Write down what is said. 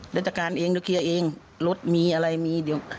รัฐกาลเองจะเคลียร์เองรถมีอะไรมีเดี๋ยว